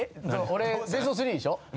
俺ベスト３でしょ？